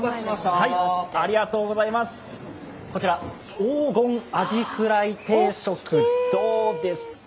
こちら、黄金アジフライ定食どうですか？